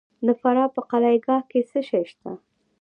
د فراه په قلعه کاه کې څه شی شته؟